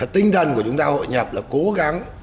tinh thần của chúng ta hội nhập là cố gắng